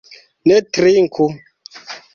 Ni trinku!